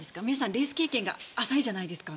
レース経験が浅いじゃないですか。